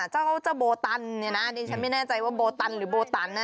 เจ้าโบตันเนี่ยนะดิฉันไม่แน่ใจว่าโบตันหรือโบตันนะ